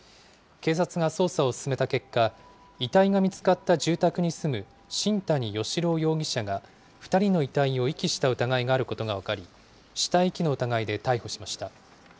警察が捜査を進めた結果、遺体が見つかった住宅に住む新谷嘉朗容疑者が、２人の遺体を遺棄した疑いがあることが分かり、死体遺棄の疑いで逮捕しました。